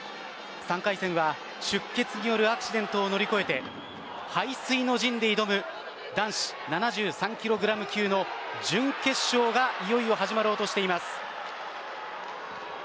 ３回戦は出血によるアクシデントを乗り越え背水の陣で挑む男子７３ｋｇ級の準決勝がいよいよ始まろうとしています。